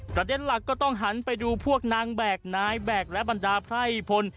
ประเด็นหลักก็ต้องหันไปดูพวกนางแบกนายแบกและบรรดาไพร่พล